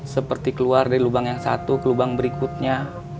seperti keluar dari lubang yang satu ke lubang berikutnya